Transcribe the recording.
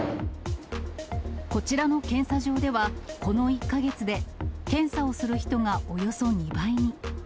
こちらの検査場では、この１か月で検査をする人がおよそ２倍に。